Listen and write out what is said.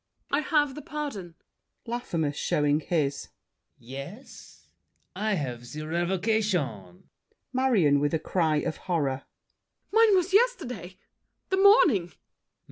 I have the pardon! LAFFEMAS (showing his). Yes? I have The revocation! MARION (with a cry of horror). Mine was yesterday— The morning!